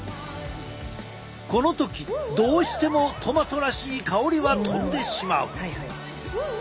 この時どうしてもトマトらしい香りは飛んでしまう。